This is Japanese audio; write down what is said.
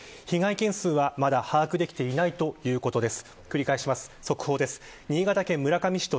被害件数は、まだ把握できていないということです。